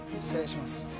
失礼します。